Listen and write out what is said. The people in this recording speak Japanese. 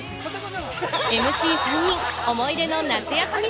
ＭＣ３人、思い出の夏休み